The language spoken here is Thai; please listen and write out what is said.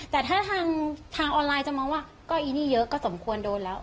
แต่ถ้าทางออนไลน์จะมองว่าก็อีนี่เยอะก็สมควรโดนแล้ว